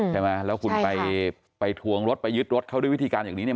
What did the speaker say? ใช่ไหมแล้วคุณไปทวงรถไปยึดรถเขาด้วยวิธีการอย่างนี้เนี่ย